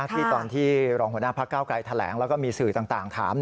ที่ตอนที่รองหัวหน้าพักเก้าไกลแถลงแล้วก็มีสื่อต่างถาม